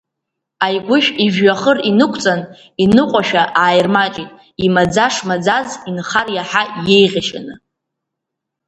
Аигәышә ижәҩахыр инықәҵан, иныҟәашәа ааирмаҷит, имаӡа шмаӡаз инхар иаҳа иеиӷьашьаны.